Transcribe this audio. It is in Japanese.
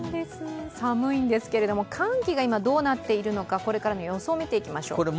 寒いんですけど、寒気が今どうなっているのか、これからの予想を見ていきましょう。